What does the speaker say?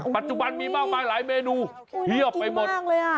ปัจจุบันมีมากมายหลายเมนูเฮียบไปหมด